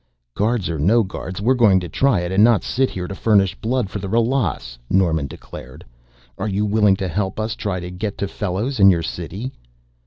"Guards or no guards, we're going to try it and not sit here to furnish blood for the Ralas," Norman declared. "Are you willing to help, to try to get to Fellows and your city?"